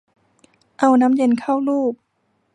เอาน้ำเย็นเข้าลูบ